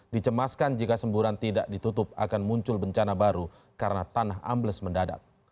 dicemaskan jika semburan tidak ditutup akan muncul bencana baru karena tanah ambles mendadak